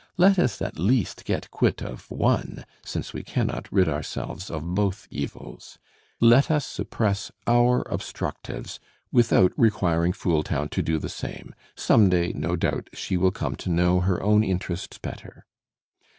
Let us at least get quit of one, since we cannot rid ourselves of both evils. Let us suppress our obstructives without requiring Fooltown to do the same. Some day, no doubt, she will come to know her own interests better."